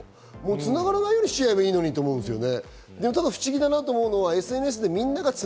つながらないようにしちゃえばいいのにと思うんですよね。